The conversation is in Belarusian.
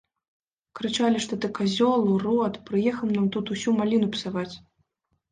Крычалі, што ты казёл, урод, прыехаў нам тут усю маліну псаваць.